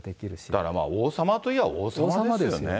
だから王様といえば王様ですよね。